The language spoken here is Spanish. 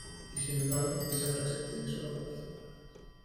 Y, sin embargo, dicha frase tiene sólo catorce palabras.